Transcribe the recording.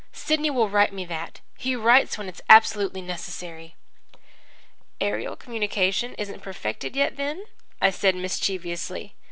Sidney will write me that. He writes when it is absolutely necessary.' "'Aerial communication isn't perfected yet then?' I said mischievously.